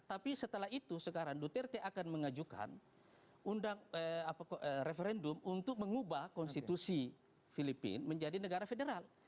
tapi setelah itu sekarang duterte akan mengajukan referendum untuk mengubah konstitusi filipina menjadi negara federal